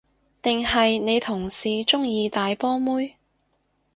定係你同事鍾意大波妹？